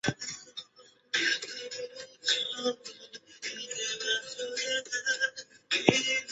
峨眉地蜥为蜥蜴科地蜥属的爬行动物。